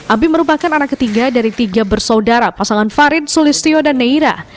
abi merupakan anak ketiga dari tiga bersaudara pasangan farid sulistio dan neira